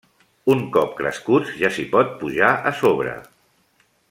Un cop crescuts, ja s'hi pot pujar a sobre.